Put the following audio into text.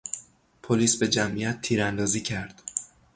پلیس به جمعیت تیر اندازی کرد.